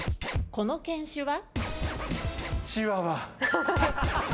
この犬種は？